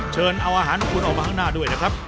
เชิญเอาอาหารของคุณออกมาข้างหน้าด้วยนะครับ